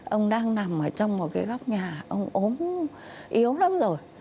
ông đang nằm ở trong một cái góc nhà ông ốm yếu lắm rồi